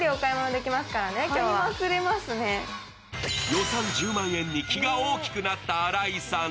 予算１０万円に気が大きくなった新井さん。